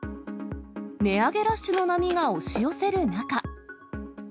値上げラッシュの波が押し寄せる中。